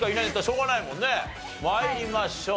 参りましょう。